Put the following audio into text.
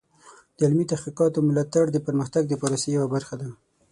د علمي تحقیقاتو ملاتړ د پرمختګ د پروسې یوه برخه ده.